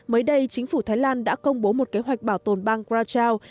mới đây chính phủ thái lan đã công bố một kế hoạch bảo tồn bang kwa chau